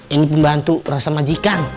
ini pembantu rasa majikan